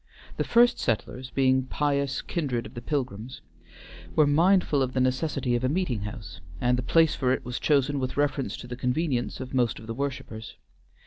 The first settlers, being pious kindred of the Pilgrims, were mindful of the necessity of a meeting house, and the place for it was chosen with reference to the convenience of most of the worshipers.